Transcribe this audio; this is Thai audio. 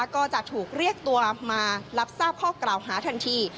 ก็จะถูกเรียกตัวมารับทราบข้อกล่าวหาทันที